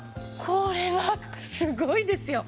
これはすごいですよ。